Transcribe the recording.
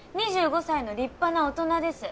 ２５歳の立派な大人です。